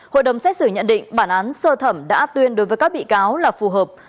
hội đồng xét xử nhận định bản án sơ thẩm đã tuyên đối với các bị cáo là phù hợp